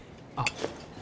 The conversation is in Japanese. あっ